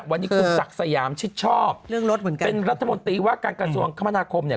วันนี้คุณศักดิ์สยามชิดชอบเรื่องรถเหมือนกันเป็นรัฐมนตรีว่าการกระทรวงคมนาคมเนี่ย